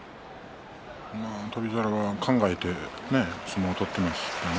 翔猿は考えて相撲を取ってますね。